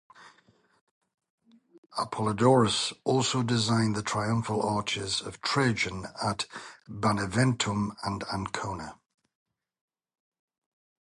Apollodorus also designed the triumphal arches of Trajan at Beneventum and Ancona.